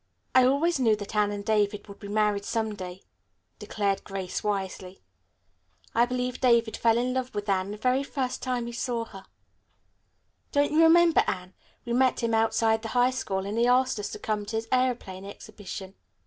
"I always knew that Anne and David would be married some day," declared Grace wisely. "I believe David fell in love with Anne the very first time he saw her. Don't you remember Anne, we met him outside the high school, and he asked us to come to his aeroplane exhibition?"